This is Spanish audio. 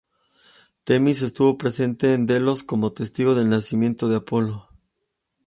Temis estuvo presente en Delos como testigo del nacimiento de Apolo.